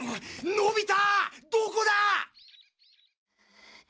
のび太。